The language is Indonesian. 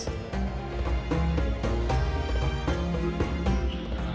jemaah haji kota jekage sepuluh